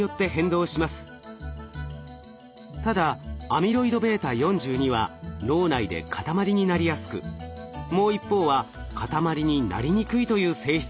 ただアミロイドβ４２は脳内で塊になりやすくもう一方は塊になりにくいという性質があります。